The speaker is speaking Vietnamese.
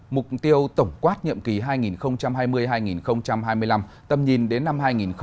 mục tiêu tổng quát nhiệm kỳ hai nghìn hai mươi hai nghìn hai mươi năm tầm nhìn đến năm hai nghìn ba mươi